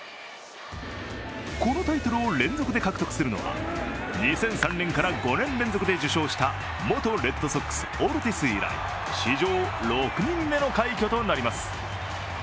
このタイトルを連続で獲得するのは２００３年から５年連続で受賞した元レッドソックス・オルティス以来史上６人目の快挙となります。